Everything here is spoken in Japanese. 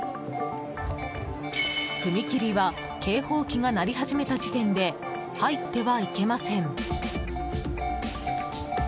踏切は警報機が鳴り始めた時点で入ってはいけません。